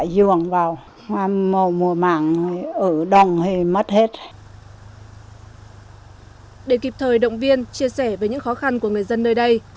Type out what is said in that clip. để kịp thời động viên chia sẻ về những khó khăn của người dân nơi đây